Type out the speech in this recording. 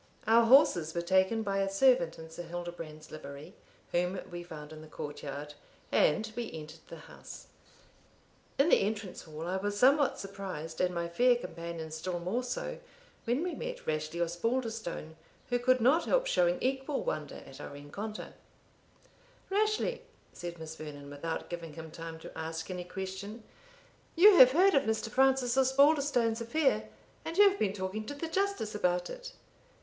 Our horses were taken by a servant in Sir Hildebrand's livery, whom we found in the court yard, and we entered the house. In the entrance hall I was somewhat surprised, and my fair companion still more so, when we met Rashleigh Osbaldistone, who could not help showing equal wonder at our rencontre. "Rashleigh," said Miss Vernon, without giving him time to ask any question, "you have heard of Mr. Francis Osbaldistone's affair, and you have been talking to the Justice about it?"